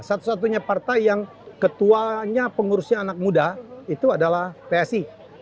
satu satunya partai yang ketuanya pengurusnya anak muda itu adalah psi